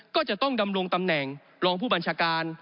ก็จะต้องดำรงตำแหน่งรองผู้บัญชาการ